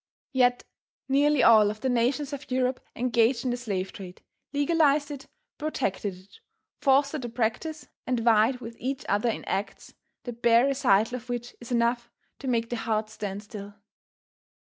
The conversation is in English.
Yet nearly all of the nations of Europe engaged in the slave trade, legalized it, protected it, fostered the practice, and vied with each other in acts, the bare recital of which is enough to make the heart stand still.